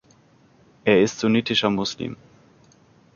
Er ist sunnitischer Muslim.